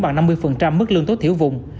bằng năm mươi mức lương tố thiếu vùng